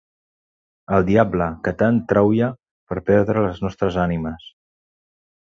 El diable, que tant traülla per perdre les nostres ànimes...